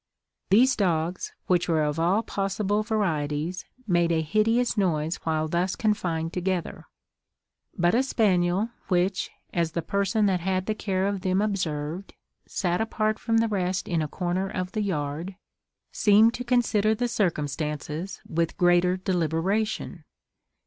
These dogs, which were of all possible varieties, made a hideous noise while thus confined together; but a spaniel, which, as the person that had the care of them observed, sat apart from the rest in a corner of the yard, seemed to consider the circumstances with greater deliberation.